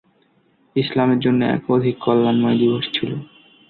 ইসলামের জন্য এক অধিক কল্যাণময় দিবস ছিল।